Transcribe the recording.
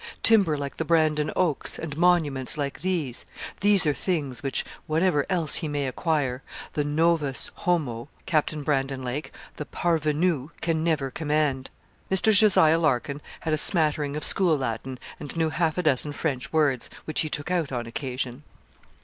Timber like the Brandon oaks, and monuments like these these are things which, whatever else he may acquire, the novus homo, Captain Brandon Lake the parvenu can never command.' Mr. Jos. Larkin had a smattering of school Latin, and knew half a dozen French words, which he took out on occasion.